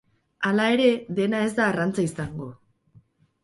Hala ere, dena ez da arrantza izango.